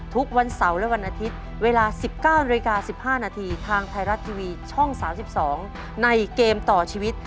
ทุกวันเสาร์และวันอาทิตย์เวลา๑๙นาฬิกา๑๕นาทีทางไทยรัฐทีวีช่อง๓๒ในเกมต่อชีวิต